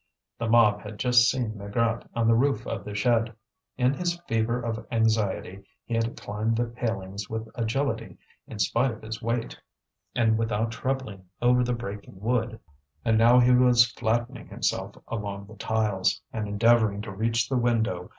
The mob had just seen Maigrat on the roof of the shed. In his fever of anxiety he had climbed the palings with agility in spite of his weight, and without troubling over the breaking wood; and now he was flattening himself along the tiles, and endeavouring to reach the window.